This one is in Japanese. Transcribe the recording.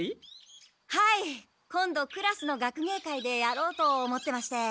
はい今度クラスの学芸会でやろうと思ってまして。